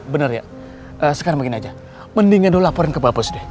benar ya sekarang begini aja mendingin dulu laporin ke pak bos deh